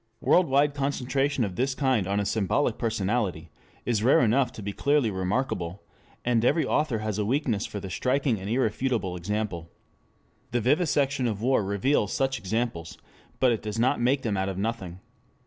3 Worldwide concentration of this kind on a symbolic personality is rare enough to be clearly remarkable, and every author has a weakness for the striking and irrefutable example. The vivisection of war reveals such examples, but it does not make them out of nothing.